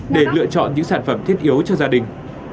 để lựa chọn những sản phẩm thiết yếu cho gia đình